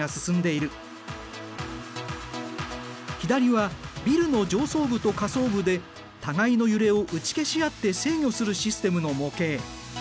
左はビルの上層部と下層部で互いの揺れを打ち消し合って制御するシステムの模型。